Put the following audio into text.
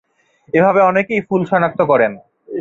এভাবে অনেকেই ফুল শনাক্ত করেন।